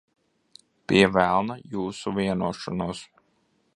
Pie velna jūsu vienošanos.